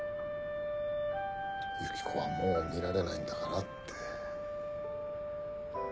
ユキコはもう見られないんだからって。